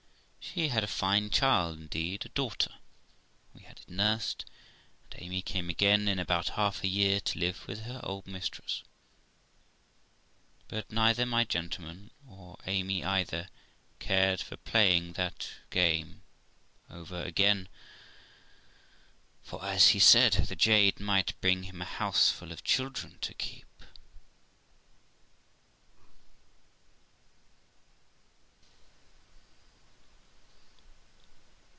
She had a fine child indeed, a daughter, and we had it nursed; and Amy came again in about half a year to live with her old mistress; but neither my gentleman, or Amy either, cared for playing that game over again; for, as he said, the jade might bring him a houseful of children to keep.